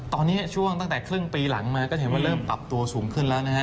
ตอนนี้ตั้งแต่ครึ่งปีหลังมาก็เริ่มปรับตัวสูงขึ้นนะครับ